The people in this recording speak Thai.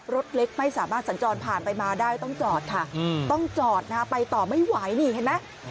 รถเล็กไม่สามารถสัญจรผ่านไปมาได้ต้องจอดค่ะต้องจอดนะฮะไปต่อไม่ไหวนี่เห็นไหม